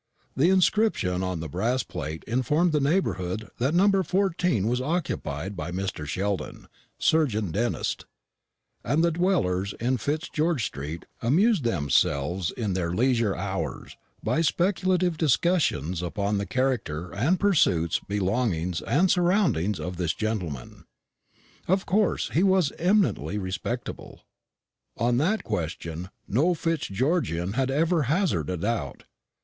The inscription on the brass plate informed the neighbourhood that No. 14 was occupied by Mr. Sheldon, surgeon dentist; and the dwellers in Fitzgeorge street amused themselves in their leisure hours by speculative discussions upon the character and pursuits, belongings and surroundings, of this gentleman. Of course he was eminently respectable. On that question no Fitzgeorgian had ever hazarded a doubt.